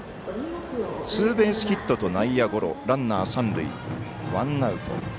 ツーベースヒットと内野ゴロランナー、三塁、ワンアウト。